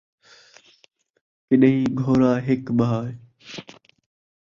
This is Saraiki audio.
گݙان٘ہہ گھوڑا ہک بھاء